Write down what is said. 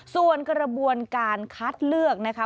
ส่วนกระบวนการคัดเลือกนะคะ